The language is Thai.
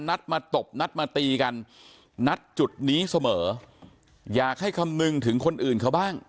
นัดมาตบนัดมาตีกันนัดจุดนี้เสมออยากให้คำนึงถึงคนอื่นเขาบ้าง